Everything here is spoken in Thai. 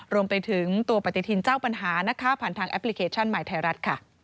รวมไปถึงตัวปฏิทินเจ้าปัญหานะคะผ่านทางแอปพลิเคชันใหม่ไทยรัฐค่ะ